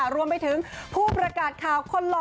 รวมไปถึงผู้ประกาศข่าวคนหล่อ